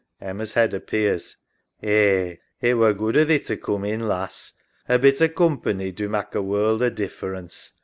{Emma's head appears) Eh, it were good o' thee to coom in, lass. A bit o' coom pany do mak' a world o' difference.